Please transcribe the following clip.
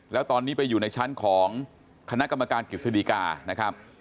แล้วตอนนี้ไปอยู่ในชั้นของคณะกรรมการกฤษฎีกานะครับ